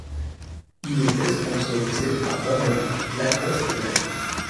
Il était sponsorisé par Babolat, Lacoste et Nike.